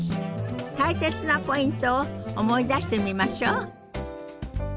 大切なポイントを思い出してみましょう。